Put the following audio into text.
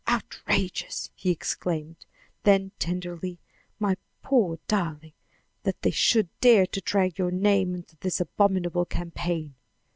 "Outrageous!" he exclaimed. Then tenderly, "My poor darling! that they should dare to drag your name into this abominable campaign!"